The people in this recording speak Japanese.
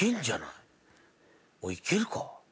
いけるか？